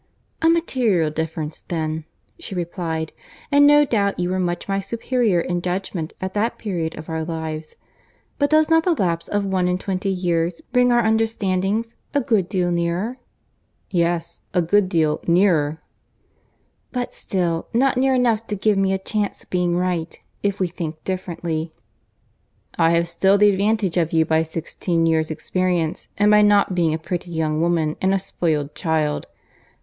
"A material difference then," she replied—"and no doubt you were much my superior in judgment at that period of our lives; but does not the lapse of one and twenty years bring our understandings a good deal nearer?" "Yes—a good deal nearer." "But still, not near enough to give me a chance of being right, if we think differently." "I have still the advantage of you by sixteen years' experience, and by not being a pretty young woman and a spoiled child.